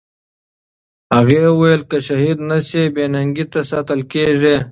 هغې وویل چې که شهید نه سي، بې ننګۍ ته ساتل کېږي.